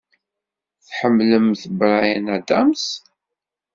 Tḥemmlemt Bryan Adams?